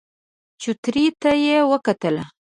چوترې ته يې وکتل.